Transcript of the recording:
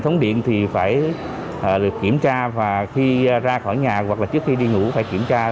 hệ thống điện thì phải được kiểm tra và khi ra khỏi nhà hoặc là trước khi đi ngủ phải kiểm tra